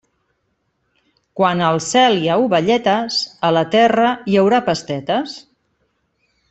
Quan al cel hi ha ovelletes, a la terra hi haurà pastetes.